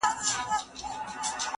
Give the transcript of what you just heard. زه به کتابتون ته راغلی وي!.